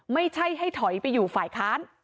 ไม่ใช่ให้ถอยไปอยู่ฝ่ายค้าน